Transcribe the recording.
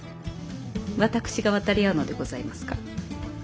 私が渡り合うのでございますか。